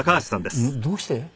どうして？